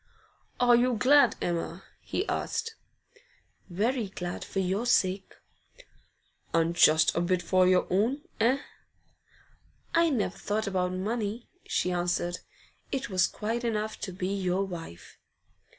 'Are you glad, Emma?' he asked. 'Very glad, for your sake.' 'And just a bit for your own, eh?' 'I never thought about money,' she answered. 'It was quite enough to be your wife.